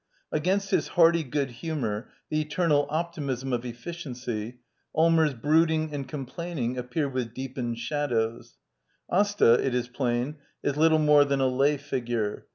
Against his hearty £ood hupior — the eternal optimism of efficiency — AITmers' brooding and complaining appear with dee p e n e d ' shadowsT' Asta, it is plain, is little more than a lay, iigure.